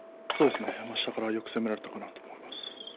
下からよく攻められたと思います。